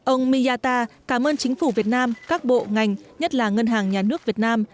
ông miyata cảm ơn chính phủ việt nam các bộ ngành nhất là ngân hàng nhà nước việt nam